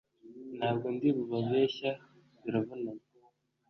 ntabwo ndi bubabeshya biravunanye